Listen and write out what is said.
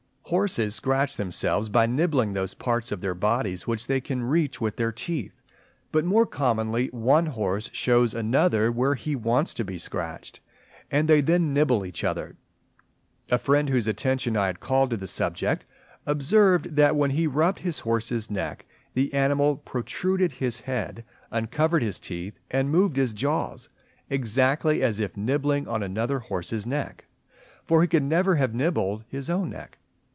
Horses scratch themselves by nibbling those parts of their bodies which they can reach with their teeth; but more commonly one horse shows another where he wants to be scratched, and they then nibble each other. A friend whose attention I had called to the subject, observed that when he rubbed his horse's neck, the animal protruded his head, uncovered his teeth, and moved his jaws, exactly as if nibbling another horse's neck, for he could never have nibbled his own neck.